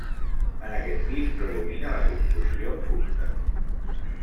En aquest pis predomina la construcció amb fusta.